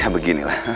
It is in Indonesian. ya begini lah